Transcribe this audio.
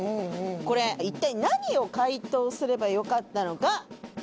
これ一体何を解答すればよかったのか？